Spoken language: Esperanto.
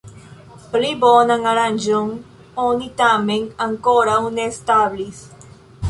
Pli bonan aranĝon oni tamen ankoraŭ ne establis.